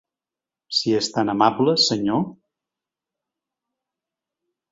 Si es tan amable, senyor.